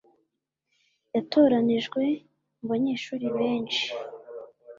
yatoranijwe mubanyeshuri benshi